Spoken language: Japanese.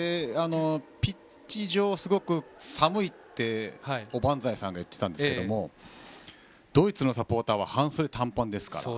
ピッチ上、すごく寒いっておばんざいさんが言っていたんですがドイツのサポーターは半袖短パンですから。